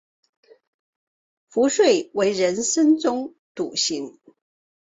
壶遂为人深中笃行。